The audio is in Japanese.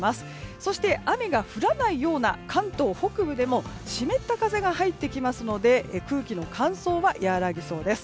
そして雨が降らないような関東北部でも湿った風が入ってきますので空気の乾燥は和らぎそうです。